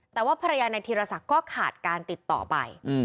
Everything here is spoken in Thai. แต่ว่าภรรยานายธีรศักดิ์ก็ขาดการติดต่อไป